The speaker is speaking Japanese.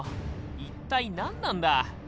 一体何なんだ！